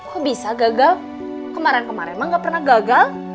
kok bisa gagal kemaren kemaren mah nggak pernah gagal